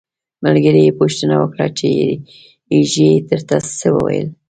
ملګري یې پوښتنه وکړه چې یږې درته څه وویل.